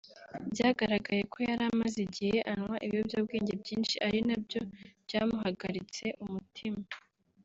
byagaragaye ko yari amaze igihe anywa ibiyobyabwenge byinshi ari na byo byamuhagaritse umutima